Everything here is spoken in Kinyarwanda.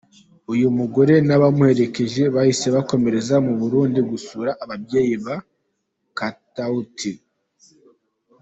Uyu mugore n’abamuherekeje bahise bakomereza mu Burundi gusura ababyeyi ba Katauti.